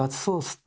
って